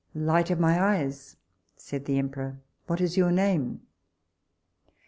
Light of my eyes, said the emperor, what is your name?